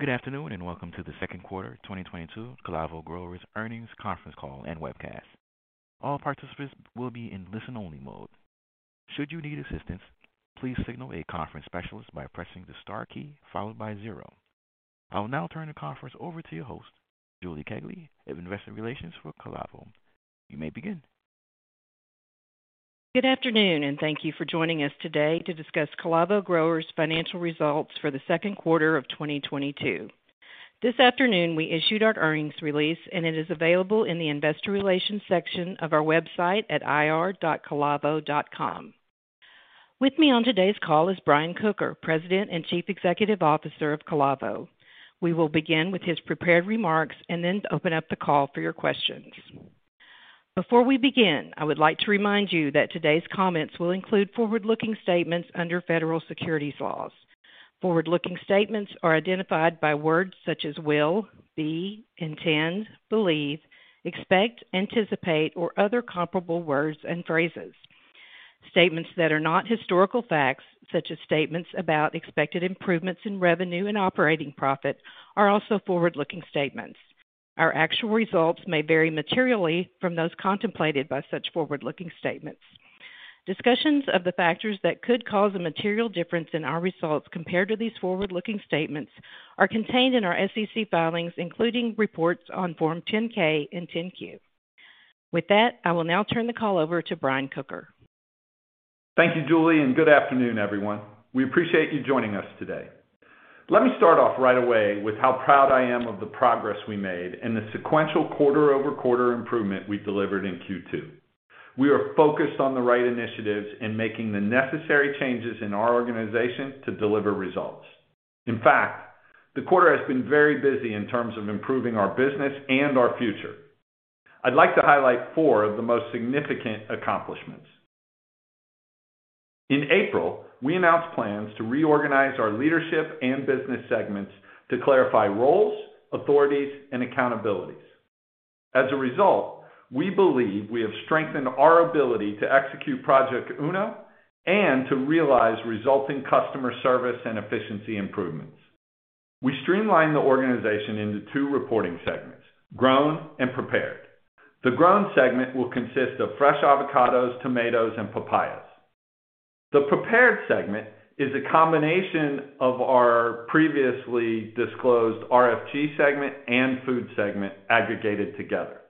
Good afternoon, and welcome to the second quarter 2022 Calavo Growers earnings conference call and webcast. All participants will be in listen-only mode. Should you need assistance, please signal a conference specialist by pressing the star key followed by zero. I will now turn the conference over to your host, Julie Kegley of Investor Relations for Calavo. You may begin. Good afternoon, and thank you for joining us today to discuss Calavo Growers' financial results for the second quarter of 2022. This afternoon, we issued our earnings release, and it is available in the investor relations section of our website at ir.calavo.com. With me on today's call is Brian Kocher, President and Chief Executive Officer of Calavo. We will begin with his prepared remarks and then open up the call for your questions. Before we begin, I would like to remind you that today's comments will include forward-looking statements under federal securities laws. Forward-looking statements are identified by words such as will, be, intend, believe, expect, anticipate, or other comparable words and phrases. Statements that are not historical facts, such as statements about expected improvements in revenue and operating profit, are also forward-looking statements. Our actual results may vary materially from those contemplated by such forward-looking statements. Discussions of the factors that could cause a material difference in our results compared to these forward-looking statements are contained in our SEC filings, including reports on Form 10-K and Form 10-Q. With that, I will now turn the call over to Brian Kocher. Thank you, Julie, and good afternoon, everyone. We appreciate you joining us today. Let me start off right away with how proud I am of the progress we made and the sequential quarter-over-quarter improvement we delivered in Q2. We are focused on the right initiatives and making the necessary changes in our organization to deliver results. In fact, the quarter has been very busy in terms of improving our business and our future. I'd like to highlight four of the most significant accomplishments. In April, we announced plans to reorganize our leadership and business segments to clarify roles, authorities, and accountabilities. As a result, we believe we have strengthened our ability to execute Project Uno and to realize resulting customer service and efficiency improvements. We streamlined the organization into two reporting segments, Grown and Prepared. The Grown segment will consist of fresh avocados, tomatoes, and papayas. The prepared segment is a combination of our previously disclosed RFG segment and food segment aggregated together.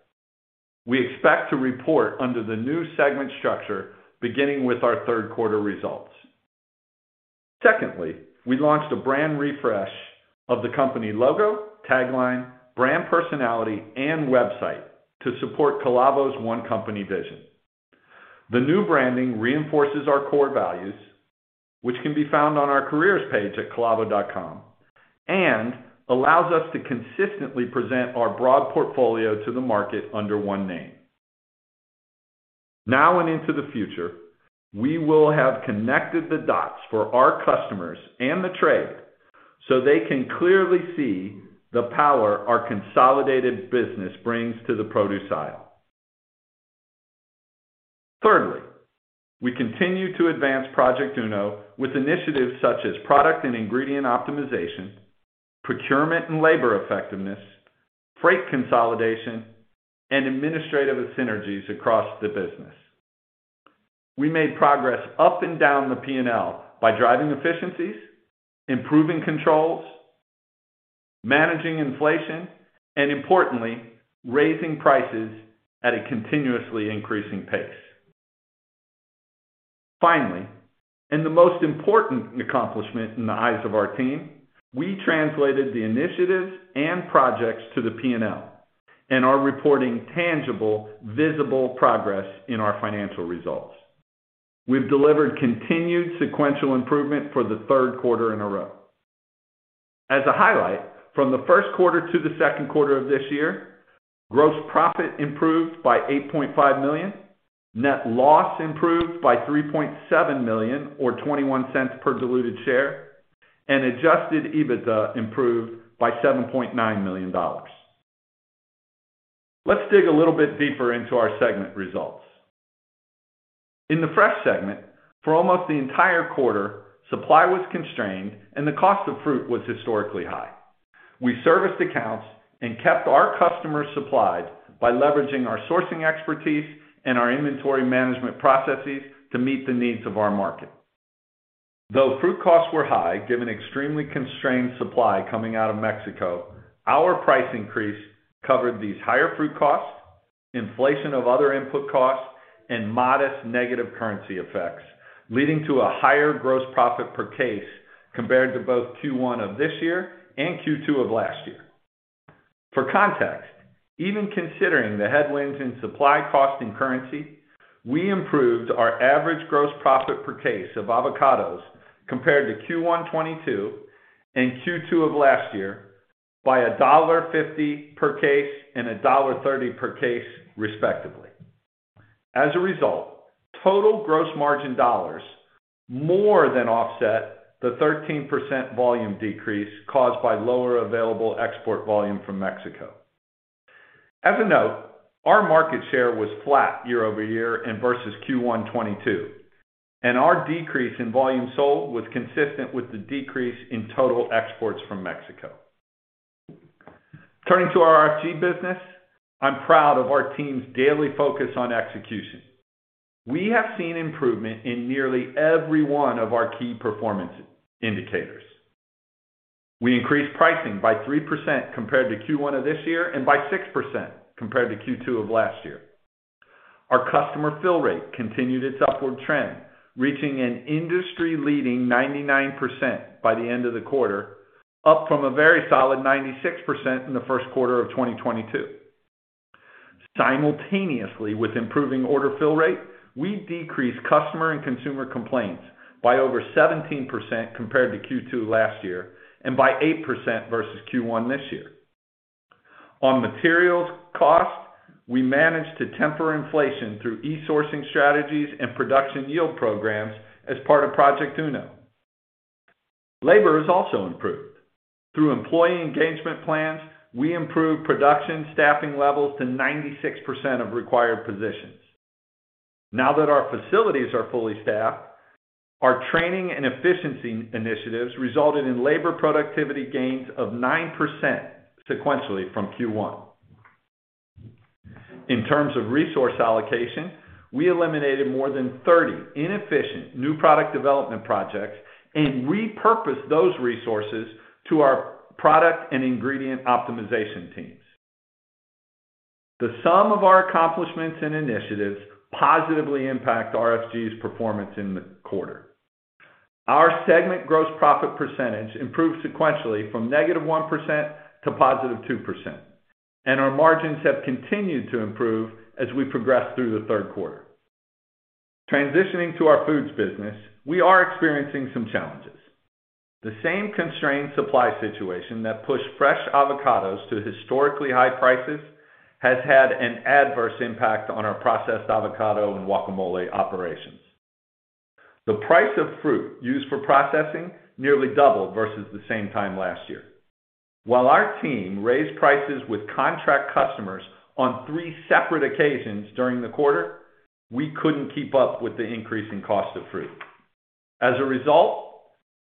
We expect to report under the new segment structure beginning with our third quarter results. Secondly, we launched a brand refresh of the company logo, tagline, brand personality, and website to support Calavo's one company vision. The new branding reinforces our core values, which can be found on our careers page at calavo.com and allows us to consistently present our broad portfolio to the market under one name. Now and into the future, we will have connected the dots for our customers and the trade so they can clearly see the power our consolidated business brings to the produce aisle. Thirdly, we continue to advance Project Uno with initiatives such as product and ingredient optimization, procurement and labor effectiveness, freight consolidation, and administrative synergies across the business. We made progress up and down the P&L by driving efficiencies, improving controls, managing inflation, and importantly, raising prices at a continuously increasing pace. Finally, and the most important accomplishment in the eyes of our team, we translated the initiatives and projects to the P&L and are reporting tangible, visible progress in our financial results. We've delivered continued sequential improvement for the third quarter in a row. As a highlight, from the first quarter to the second quarter of this year, gross profit improved by $8.5 million. Net loss improved by $3.7 million or $0.21 per diluted share, and adjusted EBITDA improved by $7.9 million. Let's dig a little bit deeper into our segment results. In the fresh segment, for almost the entire quarter, supply was constrained, and the cost of fruit was historically high. We serviced accounts and kept our customers supplied by leveraging our sourcing expertise and our inventory management processes to meet the needs of our market. Though fruit costs were high, given extremely constrained supply coming out of Mexico, our price increase covered these higher fruit costs, inflation of other input costs, and modest negative currency effects, leading to a higher gross profit per case compared to both Q1 of this year and Q2 of last year. For context, even considering the headwinds in supply cost and currency, we improved our average gross profit per case of avocados compared to Q1 2022 and Q2 of last year by $1.50 per case and $1.30 per case, respectively. As a result, total gross margin dollars more than offset the 13% volume decrease caused by lower available export volume from Mexico. As a note, our market share was flat year over year and versus Q1 2022, and our decrease in volume sold was consistent with the decrease in total exports from Mexico. Turning to our RFG business, I'm proud of our team's daily focus on execution. We have seen improvement in nearly every one of our key performance indicators. We increased pricing by 3% compared to Q1 of this year and by 6% compared to Q2 of last year. Our customer fill rate continued its upward trend, reaching an industry-leading 99% by the end of the quarter, up from a very solid 96% in the first quarter of 2022. Simultaneously with improving order fill rate, we decreased customer and consumer complaints by over 17% compared to Q2 last year and by 8% versus Q1 this year. On materials cost, we managed to temper inflation through e-sourcing strategies and production yield programs as part of Project Uno. Labor has also improved. Through employee engagement plans, we improved production staffing levels to 96% of required positions. Now that our facilities are fully staffed, our training and efficiency initiatives resulted in labor productivity gains of 9% sequentially from Q1. In terms of resource allocation, we eliminated more than 30 inefficient new product development projects and repurposed those resources to our product and ingredient optimization teams. The sum of our accomplishments and initiatives positively impact RFG's performance in the quarter. Our segment gross profit percentage improved sequentially from -1% to 2%, and our margins have continued to improve as we progress through the third quarter. Transitioning to our Foods business, we are experiencing some challenges. The same constrained supply situation that pushed fresh avocados to historically high prices has had an adverse impact on our processed avocado and guacamole operations. The price of fruit used for processing nearly doubled versus the same time last year. While our team raised prices with contract customers on 3 separate occasions during the quarter, we couldn't keep up with the increase in cost of fruit. As a result,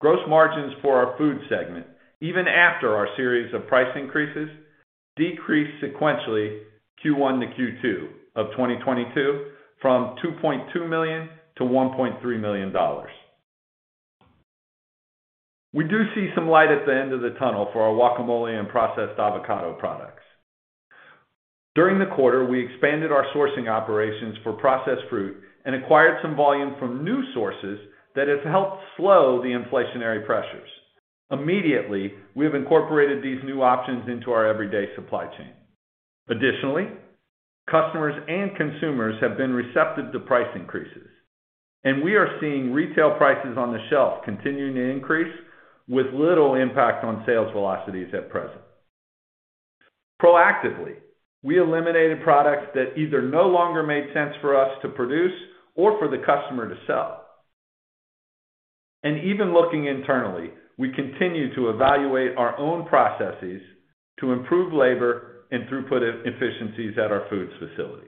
gross margins for our Foods segment, even after our series of price increases, decreased sequentially Q1 to Q2 of 2022 from $2.2 million to $1.3 million. We do see some light at the end of the tunnel for our guacamole and processed avocado products. During the quarter, we expanded our sourcing operations for processed fruit and acquired some volume from new sources that has helped slow the inflationary pressures. Immediately, we have incorporated these new options into our everyday supply chain. Additionally, customers and consumers have been receptive to price increases, and we are seeing retail prices on the shelf continuing to increase with little impact on sales velocities at present. Proactively, we eliminated products that either no longer made sense for us to produce or for the customer to sell. Even looking internally, we continue to evaluate our own processes to improve labor and throughput efficiencies at our Foods facility.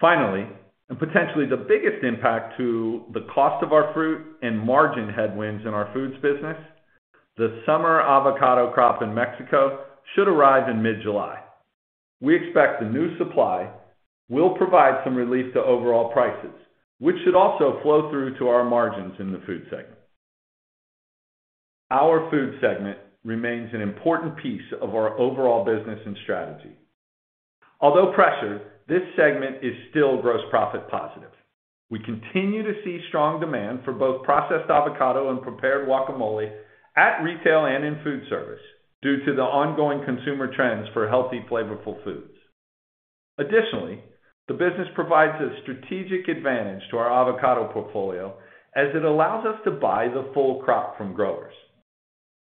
Finally, and potentially the biggest impact to the cost of our fruit and margin headwinds in our Foods business, the summer avocado crop in Mexico should arrive in mid-July. We expect the new supply will provide some relief to overall prices, which should also flow through to our margins in the Food segment. Our Food segment remains an important piece of our overall business and strategy. Although pressured, this segment is still gross profit positive. We continue to see strong demand for both processed avocado and prepared guacamole at retail and in food service due to the ongoing consumer trends for healthy, flavorful foods. Additionally, the business provides a strategic advantage to our avocado portfolio as it allows us to buy the full crop from growers.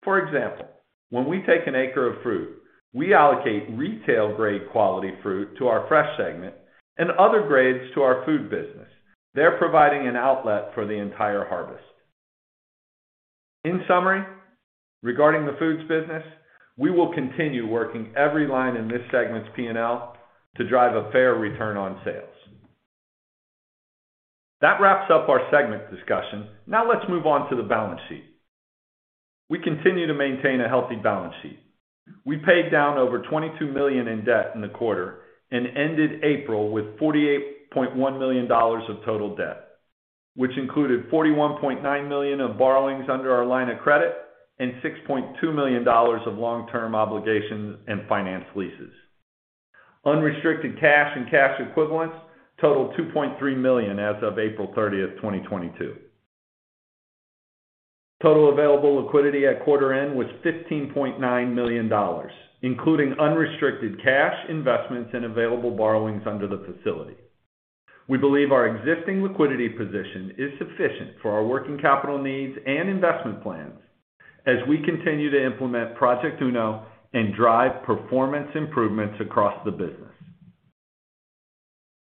For example, when we take an acre of fruit, we allocate retail grade quality fruit to our fresh segment and other grades to our Food business. They're providing an outlet for the entire harvest. In summary, regarding the Foods business, we will continue working every line in this segment's P&L to drive a fair return on sales. That wraps up our segment discussion. Now let's move on to the balance sheet. We continue to maintain a healthy balance sheet. We paid down over $22 million in debt in the quarter and ended April with $48.1 million of total debt, which included $41.9 million of borrowings under our line of credit and $6.2 million of long-term obligations and finance leases. Unrestricted cash and cash equivalents totaled $2.3 million as of April 30, 2022. Total available liquidity at quarter end was $15.9 million, including unrestricted cash, investments, and available borrowings under the facility. We believe our existing liquidity position is sufficient for our working capital needs and investment plans as we continue to implement Project Uno and drive performance improvements across the business.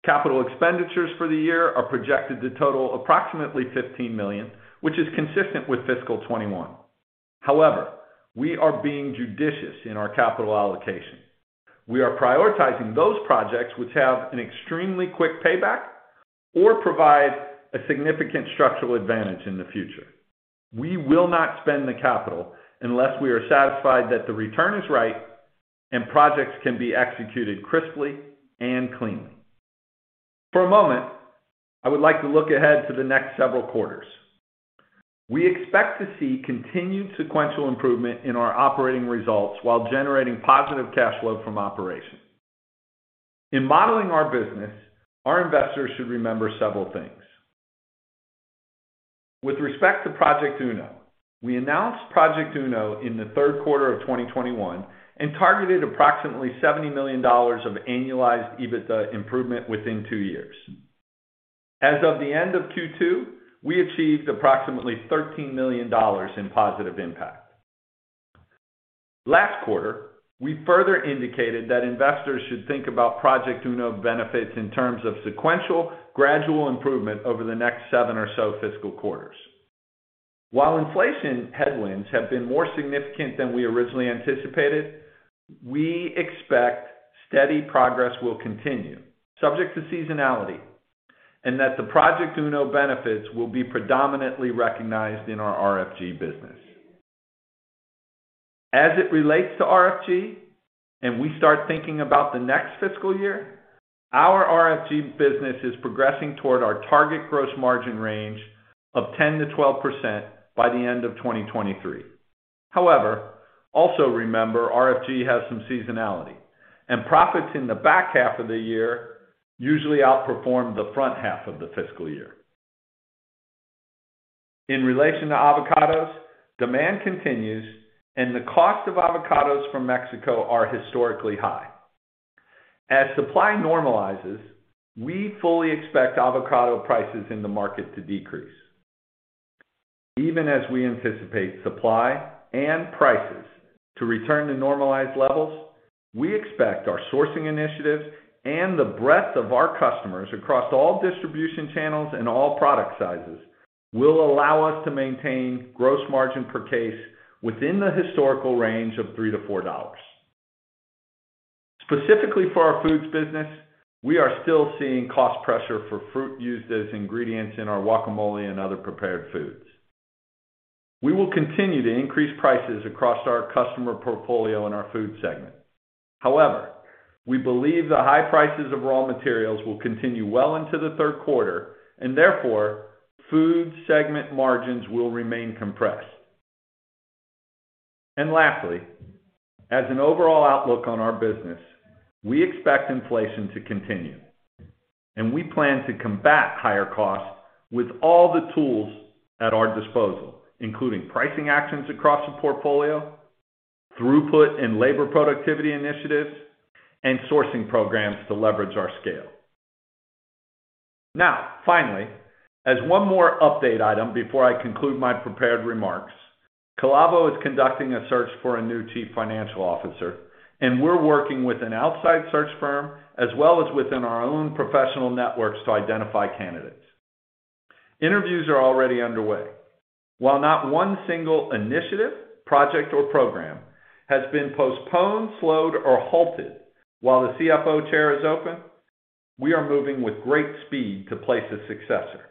Capital expenditures for the year are projected to total approximately $15 million, which is consistent with fiscal 2021. However, we are being judicious in our capital allocation. We are prioritizing those projects which have an extremely quick payback or provide a significant structural advantage in the future. We will not spend the capital unless we are satisfied that the return is right and projects can be executed crisply and cleanly. For a moment, I would like to look ahead to the next several quarters. We expect to see continued sequential improvement in our operating results while generating positive cash flow from operations. In modeling our business, our investors should remember several things. With respect to Project Uno, we announced Project Uno in the third quarter of 2021 and targeted approximately $70 million of annualized EBITDA improvement within two years. As of the end of Q2, we achieved approximately $13 million in positive impact. Last quarter, we further indicated that investors should think about Project Uno benefits in terms of sequential, gradual improvement over the next seven or so fiscal quarters. While inflation headwinds have been more significant than we originally anticipated, we expect steady progress will continue subject to seasonality, and that the Project Uno benefits will be predominantly recognized in our RFG business. As it relates to RFG and we start thinking about the next fiscal year, our RFG business is progressing toward our target gross margin range of 10%-12% by the end of 2023. However, also remember RFG has some seasonality and profits in the back half of the year usually outperform the front half of the fiscal year. In relation to avocados, demand continues and the cost of avocados from Mexico are historically high. As supply normalizes, we fully expect avocado prices in the market to decrease. Even as we anticipate supply and prices to return to normalized levels, we expect our sourcing initiatives and the breadth of our customers across all distribution channels and all product sizes will allow us to maintain gross margin per case within the historical range of $3-$4. Specifically for our foods business, we are still seeing cost pressure for fruit used as ingredients in our guacamole and other prepared foods. We will continue to increase prices across our customer portfolio in our food segment. However, we believe the high prices of raw materials will continue well into the third quarter and therefore food segment margins will remain compressed. Lastly, as an overall outlook on our business, we expect inflation to continue, and we plan to combat higher costs with all the tools at our disposal, including pricing actions across the portfolio, throughput and labor productivity initiatives, and sourcing programs to leverage our scale. Now finally, as one more update item before I conclude my prepared remarks, Calavo is conducting a search for a new Chief Financial Officer, and we're working with an outside search firm as well as within our own professional networks to identify candidates. Interviews are already underway. While not one single initiative, project or program has been postponed, slowed, or halted while the CFO chair is open, we are moving with great speed to place a successor.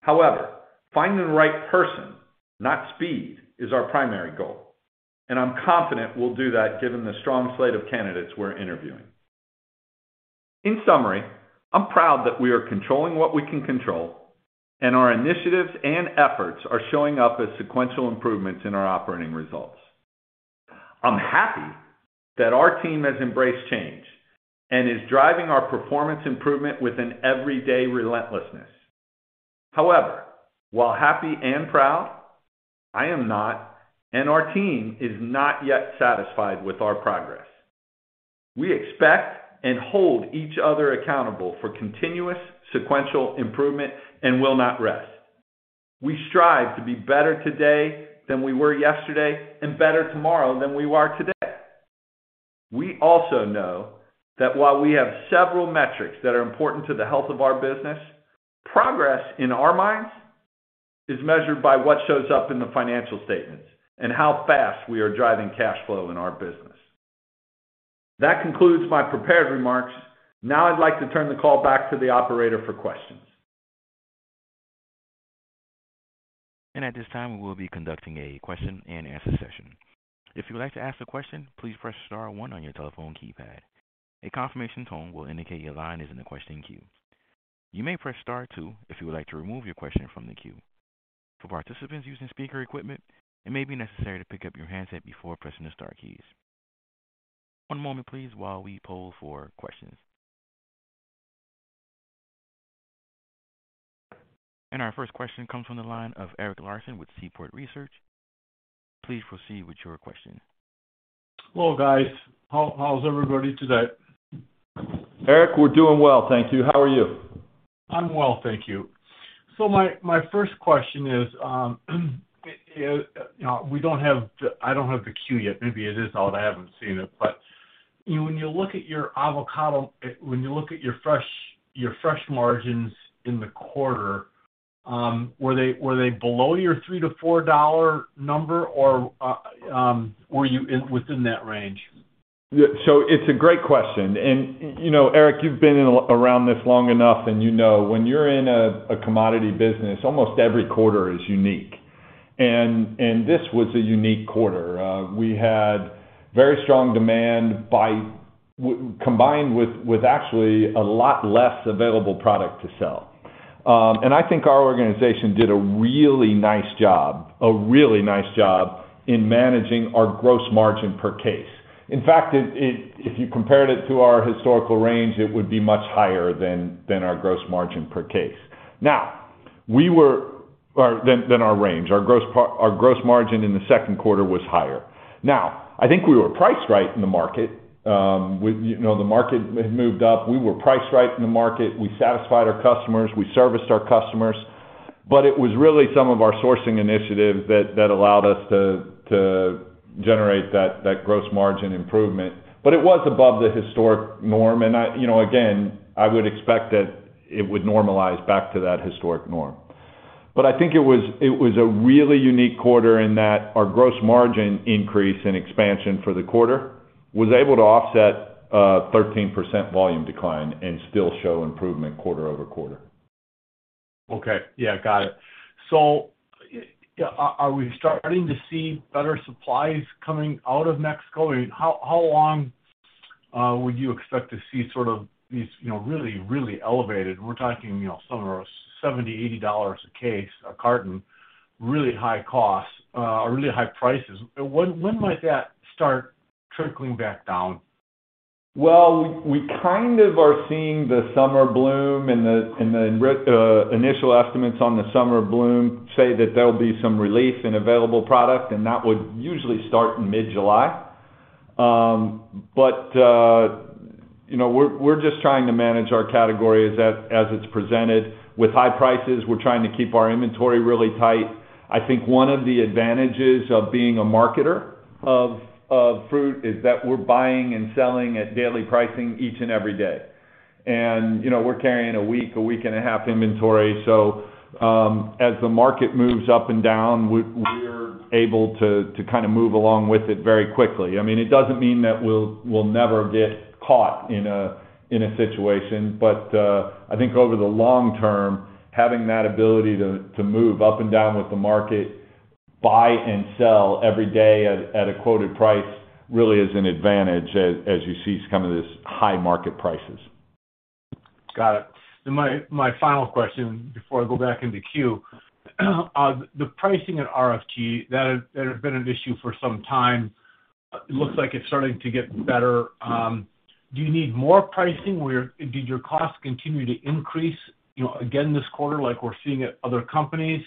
However, finding the right person, not speed, is our primary goal, and I'm confident we'll do that given the strong slate of candidates we're interviewing. In summary, I'm proud that we are controlling what we can control and our initiatives and efforts are showing up as sequential improvements in our operating results. I'm happy that our team has embraced change and is driving our performance improvement with an everyday relentlessness. However, while happy and proud, I am not, and our team is not yet satisfied with our progress. We expect and hold each other accountable for continuous sequential improvement and will not rest. We strive to be better today than we were yesterday and better tomorrow than we are today. We also know that while we have several metrics that are important to the health of our business, progress in our minds is measured by what shows up in the financial statements and how fast we are driving cash flow in our business. That concludes my prepared remarks. Now I'd like to turn the call back to the operator for questions. At this time, we will be conducting a question and answer session. If you would like to ask a question, please press star one on your telephone keypad. A confirmation tone will indicate your line is in the question queue. You may press star two if you would like to remove your question from the queue. For participants using speaker equipment, it may be necessary to pick up your handset before pressing the star keys. One moment please while we poll for questions. Our first question comes from the line of Eric Larson with Seaport Research. Please proceed with your question. Hello guys. How's everybody today? Eric, we're doing well, thank you. How are you? I'm well, thank you. My first question is, you know, I don't have the 10-Q yet. Maybe it is out. I haven't seen it. When you look at your fresh margins in the quarter, were they below your $3-$4 number or were you within that range? Yeah, it's a great question. You know, Eric, you've been around this long enough, and you know when you're in a commodity business, almost every quarter is unique. This was a unique quarter. We had very strong demand combined with actually a lot less available product to sell. I think our organization did a really nice job in managing our gross margin per case. In fact, if you compared it to our historical range, it would be much higher than our gross margin per case. Or than our range. Our gross margin in the second quarter was higher. I think we were priced right in the market. We, you know, the market had moved up. We were priced right in the market. We satisfied our customers. We serviced our customers. It was really some of our sourcing initiatives that allowed us to generate that gross margin improvement. It was above the historic norm. I, you know, again, would expect that it would normalize back to that historic norm. I think it was a really unique quarter in that our gross margin increase and expansion for the quarter was able to offset 13% volume decline and still show improvement quarter-over-quarter. Okay. Yeah, got it. Are we starting to see better supplies coming out of Mexico? How long would you expect to see sort of these, you know, really elevated? We're talking, you know, somewhere around $70-$80 a case, a carton, really high cost or really high prices. When might that start trickling back down? Well, we kind of are seeing the summer bloom and the initial estimates on the summer bloom say that there'll be some relief in available product, and that would usually start in mid-July. But you know, we're just trying to manage our category as it's presented. With high prices, we're trying to keep our inventory really tight. I think one of the advantages of being a marketer of fruit is that we're buying and selling at daily pricing each and every day. You know, we're carrying a week, a week and a half inventory. As the market moves up and down, we're able to kind of move along with it very quickly. I mean, it doesn't mean that we'll never get caught in a situation. I think over the long term, having that ability to move up and down with the market, buy and sell every day at a quoted price really is an advantage as you see some of these high market prices. Got it. My final question before I go back into queue. The pricing at RFG, that has been an issue for some time. It looks like it's starting to get better. Do you need more pricing? Where did your costs continue to increase, you know, again this quarter like we're seeing at other companies?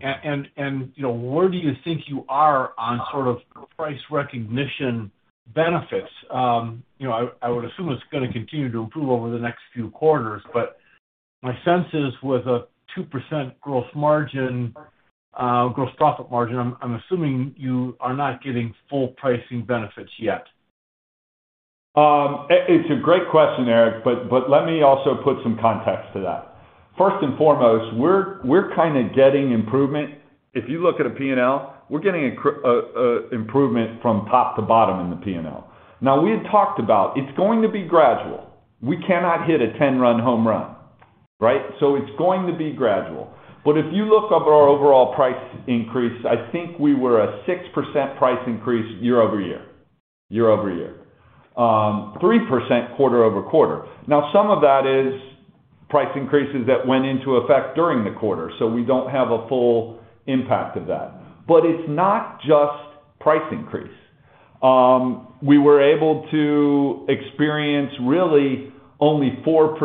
You know, where do you think you are on sort of price recognition benefits? You know, I would assume it's gonna continue to improve over the next few quarters, but my sense is with a 2% growth margin, growth profit margin, I'm assuming you are not getting full pricing benefits yet. It's a great question, Eric, but let me also put some context to that. First and foremost, we're kind of getting improvement. If you look at a P&L, we're getting improvement from top to bottom in the P&L. Now we had talked about it's going to be gradual. We cannot hit a ten-run home run, right? It's going to be gradual. But if you look up our overall price increase, I think we were a 6% price increase year-over-year. 3% quarter-over-quarter. Now some of that is price increases that went into effect during the quarter, so we don't have a full impact of that. But it's not just price increase. We were able to experience really only 4%,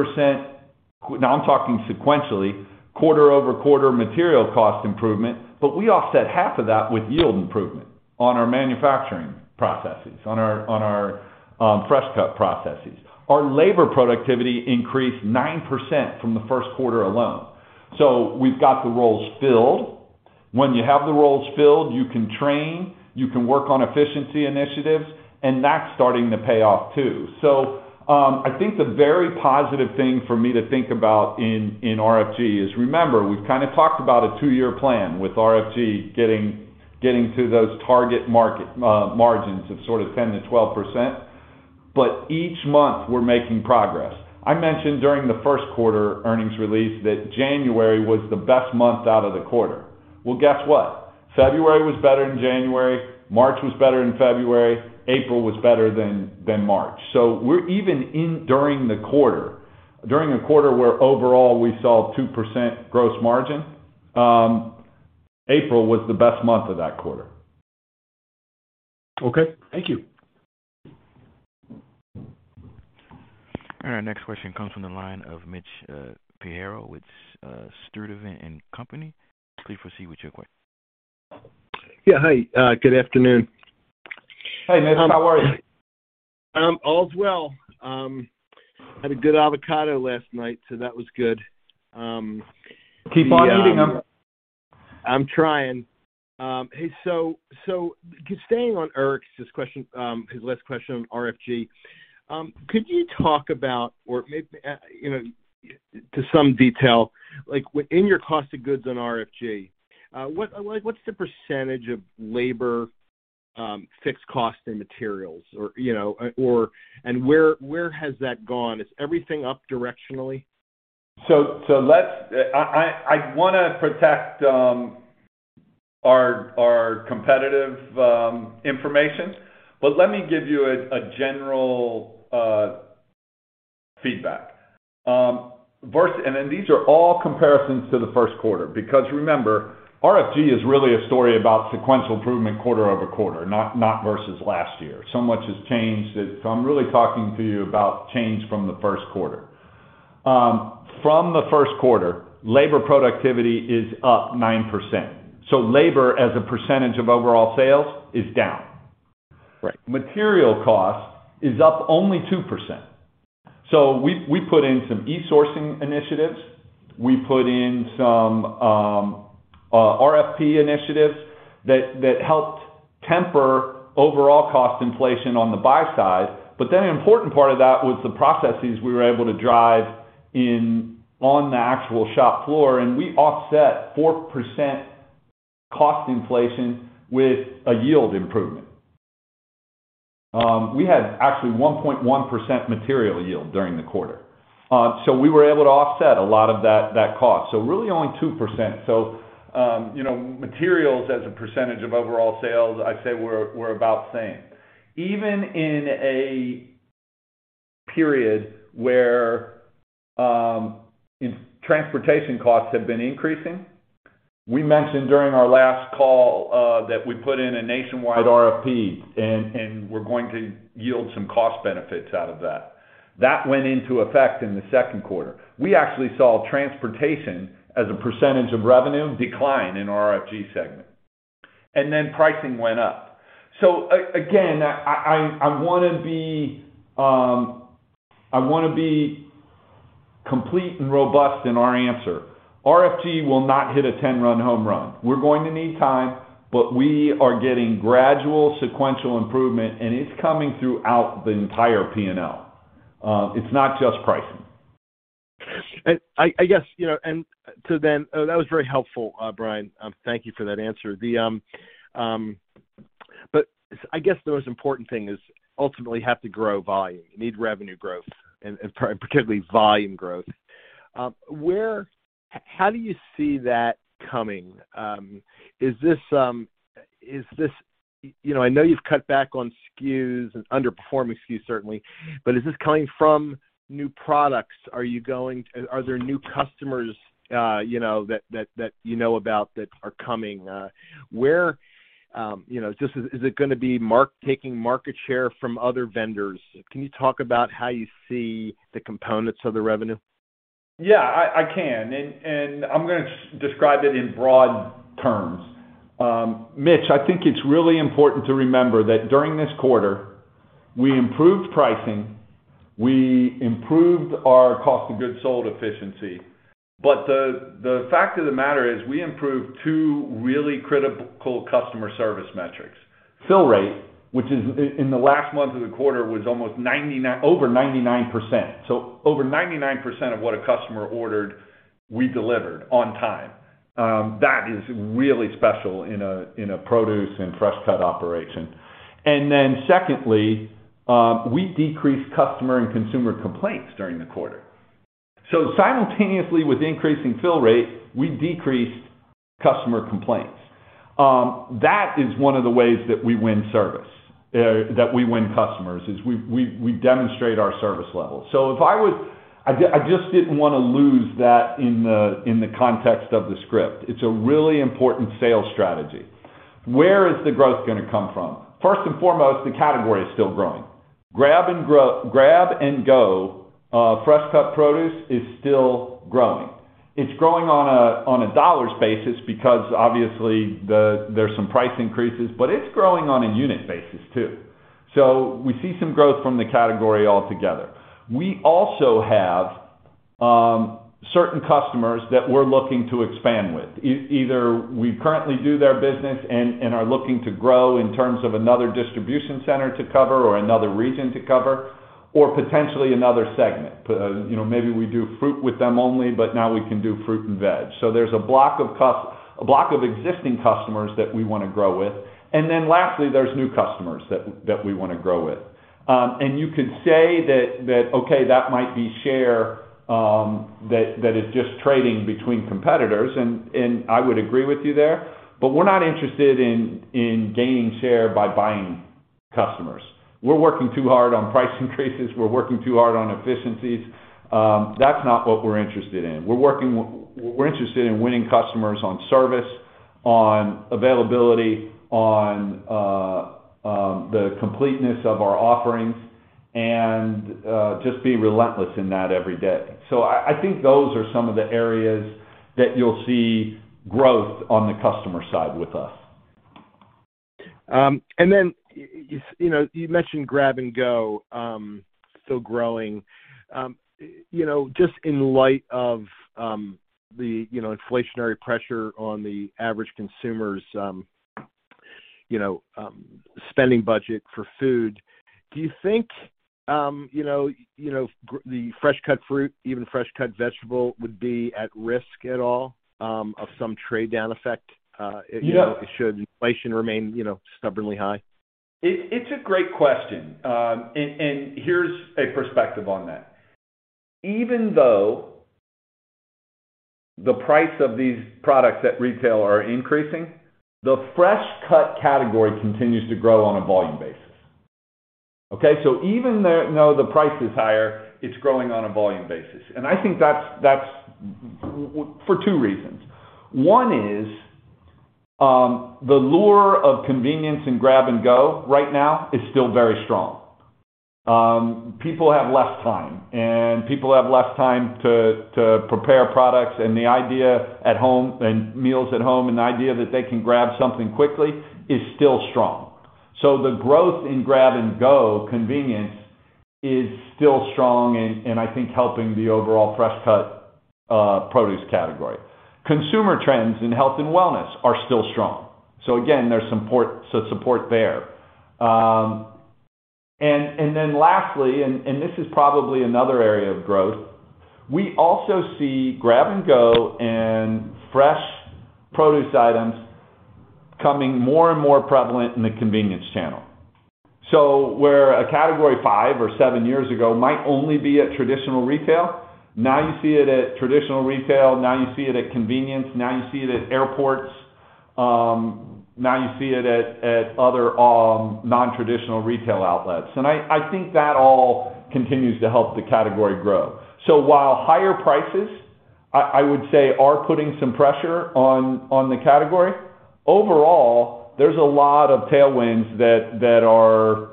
now I'm talking sequentially, quarter-over-quarter material cost improvement, but we offset half of that with yield improvement on our manufacturing processes, on our fresh cut processes. Our labor productivity increased 9% from the first quarter alone. We've got the roles filled. When you have the roles filled, you can train, you can work on efficiency initiatives, and that's starting to pay off too. I think the very positive thing for me to think about in RFG is, remember, we've kind of talked about a two-year plan with RFG getting to those target market margins of sort of 10%-12%. Each month, we're making progress. I mentioned during the first quarter earnings release that January was the best month out of the quarter. Guess what? February was better than January, March was better than February, April was better than March. We're evening out during the quarter, during a quarter where overall we saw 2% gross margin. April was the best month of that quarter. Okay. Thank you. All right, next question comes from the line of Mitch Pinheiro with Sidoti and Company. Please proceed with your question. Yeah. Hi, good afternoon. Hey Mitch, how are you? All's well. Had a good avocado last night, so that was good. Yeah. Keep on eating them. I'm trying. Hey, staying on Eric's question, his last question on RFG, could you talk about, you know, to some detail, like within your cost of goods on RFG, like what's the percentage of labor, fixed cost, and materials or, you know, and where has that gone? Is everything up directionally? Let's protect our competitive information, but let me give you a general feedback. First, then these are all comparisons to the first quarter, because remember, RFG is really a story about sequential improvement quarter-over-quarter, not versus last year. So much has changed that I'm really talking to you about change from the first quarter. From the first quarter, labor productivity is up 9%. Labor as a percentage of overall sales is down. Right. Material cost is up only 2%. We put in some e-sourcing initiatives. We put in some RFP initiatives that helped temper overall cost inflation on the buy side. An important part of that was the processes we were able to drive in on the actual shop floor, and we offset 4% cost inflation with a yield improvement. We had actually 1.1% material yield during the quarter. We were able to offset a lot of that cost. Really only 2%. You know, materials as a percentage of overall sales, I'd say we're about same. Even in a period where transportation costs have been increasing, we mentioned during our last call that we put in a nationwide RFP and we're going to yield some cost benefits out of that. That went into effect in the second quarter. We actually saw transportation as a percentage of revenue decline in our RFG segment. Then pricing went up. Again, I wanna be complete and robust in our answer. RFG will not hit a ten-run home run. We're going to need time, but we are getting gradual sequential improvement, and it's coming throughout the entire P&L. It's not just pricing. That was very helpful, Brian. Thank you for that answer. I guess the most important thing is ultimately have to grow volume, you need revenue growth, and particularly volume growth. How do you see that coming? You know, I know you've cut back on SKUs and underperforming SKUs, certainly. Is this coming from new products? Are there new customers, you know, that you know about that are coming? You know, is it gonna be taking market share from other vendors? Can you talk about how you see the components of the revenue? Yeah, I can. I'm gonna describe it in broad terms. Mitch, I think it's really important to remember that during this quarter, we improved pricing, we improved our cost of goods sold efficiency, but the fact of the matter is we improved two really critical customer service metrics. Fill rate, which in the last month of the quarter was almost 99, over 99%. Over 99% of what a customer ordered, we delivered on time. That is really special in a produce and fresh-cut operation. Secondly, we decreased customer and consumer complaints during the quarter. Simultaneously with increasing fill rate, we decreased customer complaints. That is one of the ways that we win service, that we win customers, is we demonstrate our service level. I just didn't wanna lose that in the context of the script. It's a really important sales strategy. Where is the growth gonna come from? First and foremost, the category is still growing. Grab and go fresh cut produce is still growing. It's growing on a dollars basis because obviously there's some price increases, but it's growing on a unit basis too. We see some growth from the category altogether. We also have certain customers that we're looking to expand with. Either we currently do their business and are looking to grow in terms of another distribution center to cover or another region to cover or potentially another segment. You know, maybe we do fruit with them only, but now we can do fruit and veg. There's a block of existing customers that we wanna grow with. Then lastly, there's new customers that we wanna grow with. You could say that, okay, that might be share, that is just trading between competitors, and I would agree with you there. We're not interested in gaining share by buying customers. We're working too hard on price increases, we're working too hard on efficiencies. That's not what we're interested in. We're interested in winning customers on service, on availability, on the completeness of our offerings. Just be relentless in that every day. I think those are some of the areas that you'll see growth on the customer side with us. You mentioned grab and go still growing. You know, just in light of the inflationary pressure on the average consumer's spending budget for food, do you think, you know, the fresh cut fruit, even fresh cut vegetable would be at risk at all of some trade down effect? Yeah if, you know, should inflation remain, you know, stubbornly high? It's a great question. Here's a perspective on that. Even though the price of these products at retail are increasing, the fresh cut category continues to grow on a volume basis, okay? Even though the price is higher, it's growing on a volume basis, and I think that's for two reasons. One is the lure of convenience and grab and go right now is still very strong. People have less time to prepare products and meals at home, and the idea that they can grab something quickly is still strong. The growth in grab and go convenience is still strong and I think helping the overall fresh cut produce category. Consumer trends in health and wellness are still strong. Again, there's support there. This is probably another area of growth. We also see grab and go and fresh produce items becoming more and more prevalent in the convenience channel. Where a category 5 or 7 years ago might only be at traditional retail, now you see it at traditional retail, now you see it at convenience, now you see it at airports, now you see it at other non-traditional retail outlets. I think that all continues to help the category grow. While higher prices, I would say, are putting some pressure on the category, overall, there's a lot of tailwinds that are,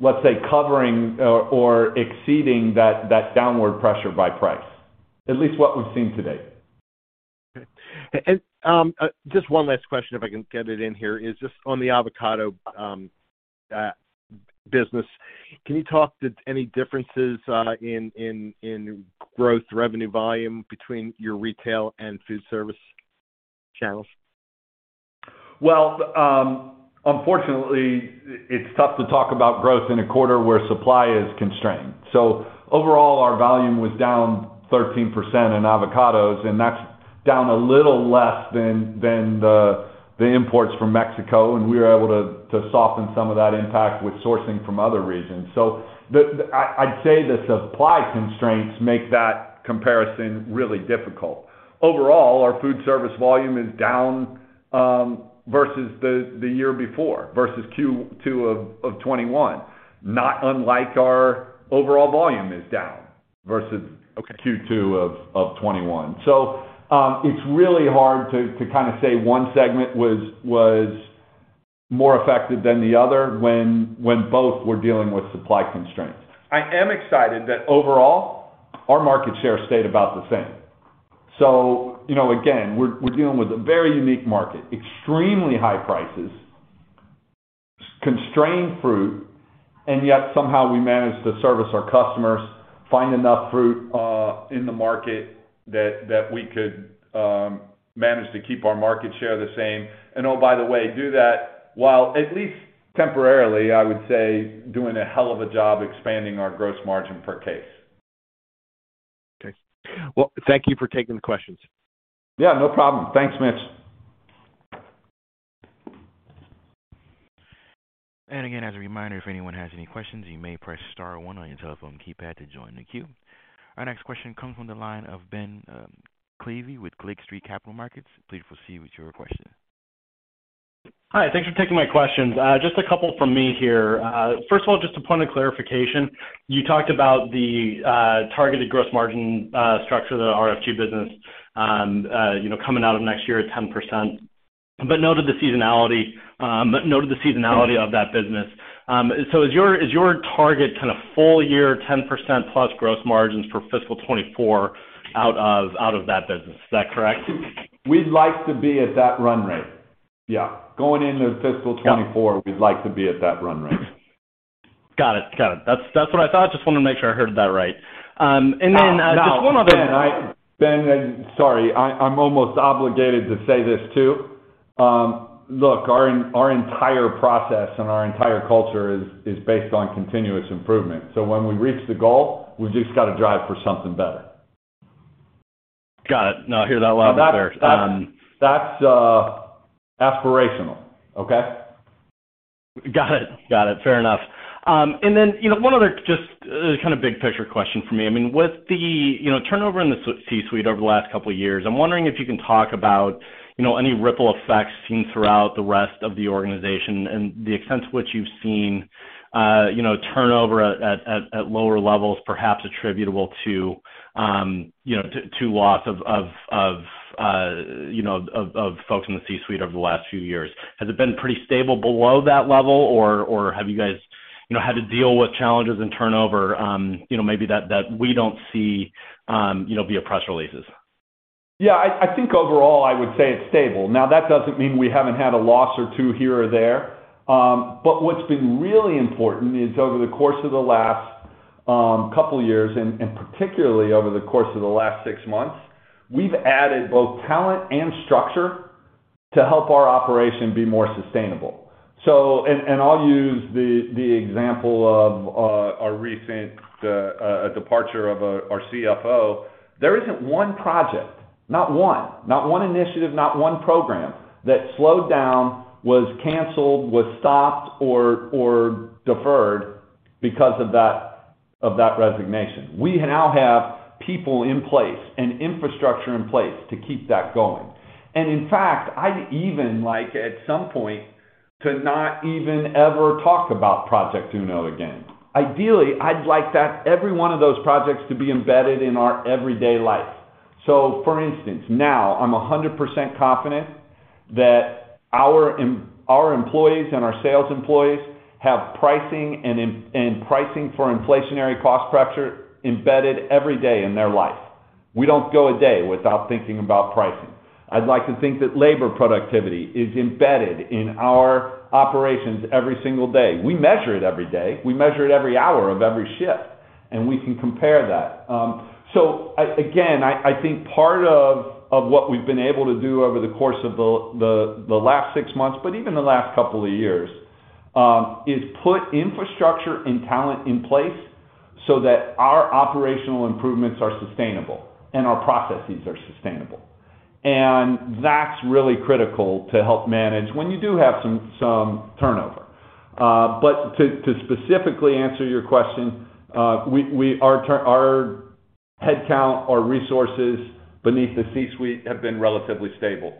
let's say, covering or exceeding that downward pressure by price. At least what we've seen to date. Okay. Just one last question if I can get it in here is just on the avocado business. Can you talk to any differences in growth revenue volume between your retail and food service channels? Well, unfortunately it's tough to talk about growth in a quarter where supply is constrained. Overall, our volume was down 13% in avocados, and that's down a little less than the imports from Mexico, and we were able to soften some of that impact with sourcing from other regions. I'd say the supply constraints make that comparison really difficult. Overall, our food service volume is down versus the year before, versus Q2 of 2021, not unlike our overall volume is down versus- Okay Q2 of 2021. It's really hard to kind of say one segment was more effective than the other when both were dealing with supply constraints. I am excited that overall our market share stayed about the same. You know, again, we're dealing with a very unique market, extremely high prices, constrained fruit, and yet somehow we managed to service our customers, find enough fruit in the market that we could manage to keep our market share the same. Oh, by the way, do that while at least temporarily, I would say doing a hell of a job expanding our gross margin per case. Okay. Well, thank you for taking the questions. Yeah, no problem. Thanks, Mitch. Again, as a reminder, if anyone has any questions, you may press star one on your telephone keypad to join the queue. Our next question comes from the line of Ben Klieve with Lake Street Capital Markets. Please proceed with your question. Hi. Thanks for taking my questions. Just a couple from me here. First of all, just a point of clarification, you talked about the targeted gross margin structure of the RFG business, you know, coming out of next year at 10%, but noted the seasonality of that business. So is your target kind of full year 10% plus gross margins for fiscal 2024 out of that business? Is that correct? We'd like to be at that run rate. Yeah. Going into fiscal 2024. Yeah. We'd like to be at that run rate. Got it. That's what I thought. Just wanted to make sure I heard that right. Then- Now. Just one other. Ben, sorry. I'm almost obligated to say this too. Look, our entire process and our entire culture is based on continuous improvement. When we reach the goal, we've just gotta drive for something better. Got it. No, I hear that loud and clear. That's aspirational. Okay? Got it. Fair enough. And then, you know, one other just kind of big picture question from me. I mean, with the, you know, turnover in the C-suite over the last couple years, I'm wondering if you can talk about, you know, any ripple effects seen throughout the rest of the organization and the extent to which you've seen, you know, turnover at lower levels perhaps attributable to, you know, to loss of folks in the C-suite over the last few years. Has it been pretty stable below that level or have you guys know how to deal with challenges and turnover, you know, maybe that we don't see, you know, via press releases. Yeah. I think overall I would say it's stable. Now, that doesn't mean we haven't had a loss or two here or there. But what's been really important is over the course of the last couple years and particularly over the course of the last six months, we've added both talent and structure to help our operation be more sustainable. I'll use the example of our recent departure of our CFO. There isn't one project, not one initiative, not one program that slowed down, was canceled, was stopped or deferred because of that resignation. We now have people in place and infrastructure in place to keep that going. In fact, I'd even like, at some point, to not even ever talk about Project Uno again. Ideally, I'd like that every one of those projects to be embedded in our everyday life. For instance, now I'm 100% confident that our employees and our sales employees have pricing and pricing for inflationary cost pressure embedded every day in their life. We don't go a day without thinking about pricing. I'd like to think that labor productivity is embedded in our operations every single day. We measure it every day. We measure it every hour of every shift, and we can compare that. Again, I think part of what we've been able to do over the course of the last six months, but even the last couple of years, is put infrastructure and talent in place so that our operational improvements are sustainable and our processes are sustainable. That's really critical to help manage when you do have some turnover. To specifically answer your question, our turnover, our headcount, our resources beneath the C-suite have been relatively stable.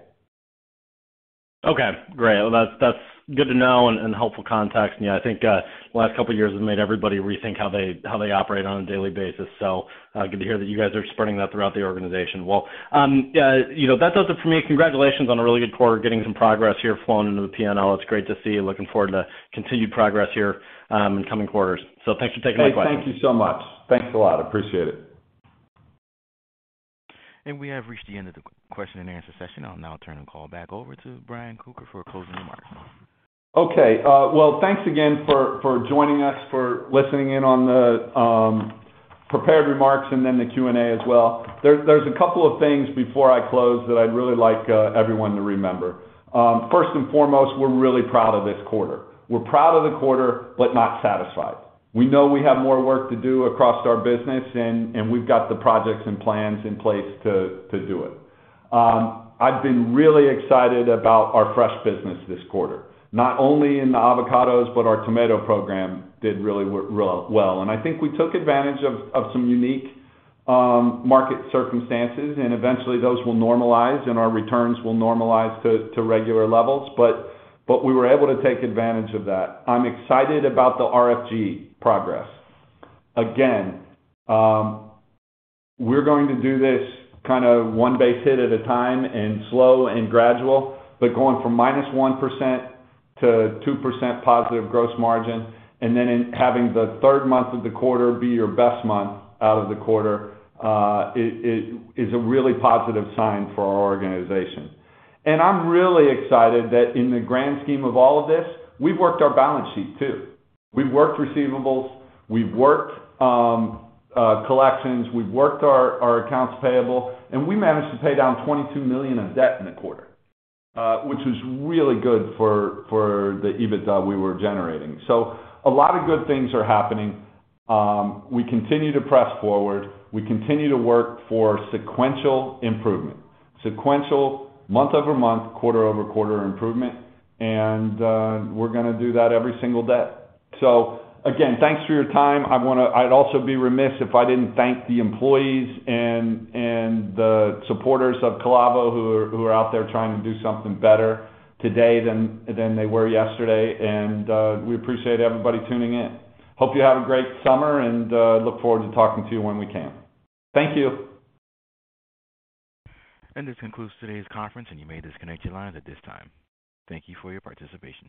Okay, great. Well, that's good to know and helpful context. Yeah, I think last couple years has made everybody rethink how they operate on a daily basis. Good to hear that you guys are spreading that throughout the organization. Well, you know, that does it for me. Congratulations on a really good quarter, getting some progress here, flowing into the P&L. It's great to see you. Looking forward to continued progress here, in coming quarters. Thanks for taking my questions. Hey, thank you so much. Thanks a lot. Appreciate it. We have reached the end of the question and answer session. I'll now turn the call back over to Brian Kocher for closing remarks. Okay. Well, thanks again for joining us for listening in on the prepared remarks and then the Q&A as well. There's a couple of things before I close that I'd really like everyone to remember. First and foremost, we're really proud of this quarter. We're proud of the quarter, but not satisfied. We know we have more work to do across our business, and we've got the projects and plans in place to do it. I've been really excited about our fresh business this quarter, not only in the avocados, but our tomato program did really well. I think we took advantage of some unique market circumstances, and eventually those will normalize, and our returns will normalize to regular levels. We were able to take advantage of that. I'm excited about the RFG progress. Again, we're going to do this kind of one base hit at a time and slow and gradual, but going from -1% to 2% positive gross margin and then in having the third month of the quarter be your best month out of the quarter is a really positive sign for our organization. I'm really excited that in the grand scheme of all of this, we've worked our balance sheet too. We've worked receivables, we've worked collections, we've worked our accounts payable, and we managed to pay down $22 million of debt in the quarter, which was really good for the EBITDA we were generating. A lot of good things are happening. We continue to press forward. We continue to work for sequential improvement, sequential month-over-month, quarter-over-quarter improvement, and we're gonna do that every single day. Again, thanks for your time. I'd also be remiss if I didn't thank the employees and the supporters of Calavo who are out there trying to do something better today than they were yesterday. We appreciate everybody tuning in. Hope you have a great summer and look forward to talking to you when we can. Thank you. This concludes today's conference, and you may disconnect your lines at this time. Thank you for your participation.